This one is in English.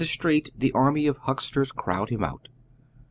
109 Btreet the army of lincksters crowd him out.